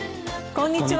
こんにちは。